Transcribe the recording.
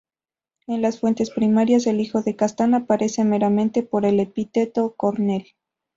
En las fuentes primarias el hijo de Castán aparece meramente por el epíteto Cornel.